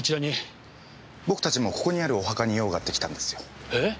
僕たちもここにあるお墓に用があって来たんですよ。えっ？